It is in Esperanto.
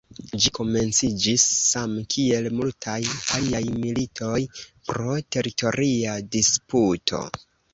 Ĝi komenciĝis same kiel multaj aliaj militoj, pro teritoria disputo.